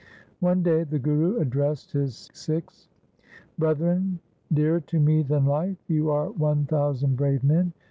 1 One day the Guru addressed his Sikhs :' Brethren dearer to me than life, you are one thousand brave men.